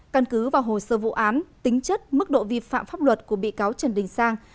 căn cứ vào hồ sơ vụ án tính chất mức độ vi phạm pháp luật của bị cáo trần đình sang